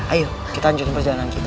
ayo kita lanjut perjalanan kita